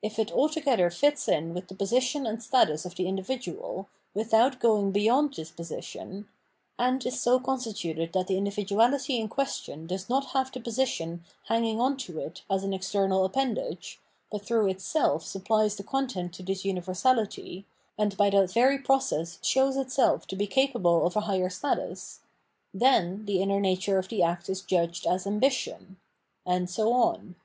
If it altogether fits in with the position and status of the individual, without going beyond this position, and is so constituted that the individuahty in question does not have the position hanging on to it as an external appendage, but through itself supplies the content to this rmiversality, and by that very process shows itself to be capable of a higher status — ^then the inner nature of the act is judged as ambition ; and so on.